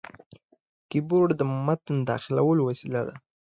کیبورډ د متن داخلولو وسیله ده.